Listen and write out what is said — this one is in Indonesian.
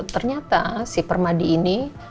ternyata si permadi ini